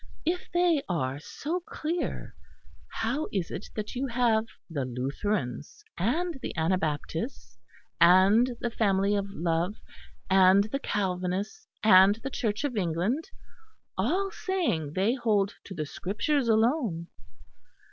If they are so clear, how is it that you have the Lutherans, and the Anabaptists, and the Family of Love, and the Calvinists, and the Church of England, all saying they hold to the Scriptures alone.